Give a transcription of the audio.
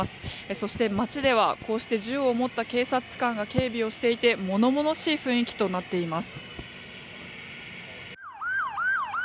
そして街では、こうして銃を持った警察官が警備をしていて物々しい雰囲気となっています。